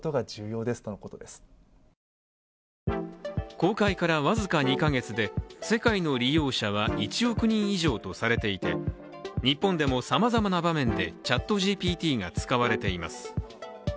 公開から僅か２か月で世界の利用者は１億人以上とされていて日本でもさまざまな場面でＣｈａｔＧＰＴが使われています。